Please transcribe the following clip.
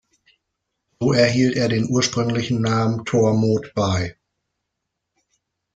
So erhielt er den ursprünglichen Namen "Thormod"by.